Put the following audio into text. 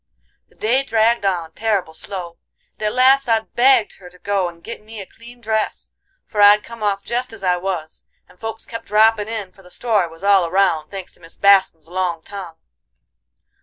"The day dragged on terrible slow, and at last I begged her to go and git me a clean dress, for I'd come off jest as I was, and folks kep' droppin' in, for the story was all round, thanks to Mis Bascum's long tongue.